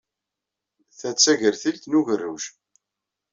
Ta d tagertilt n ugerruj.